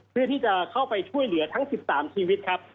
เพื่อที่จะเข้าไปช่วยเหลือทั้ง๑๓ชีวิตครับ